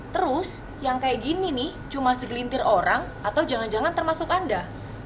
terus yang kayak gini nih cuma segelintir orang atau jangan jangan termasuk anda